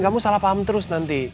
kamu salah paham terus nanti